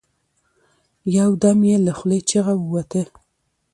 يو دم يې له خولې چيغه ووته.